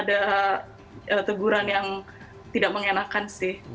jadi enggak ada enggak pernah ada teguran yang tidak mengenakan sih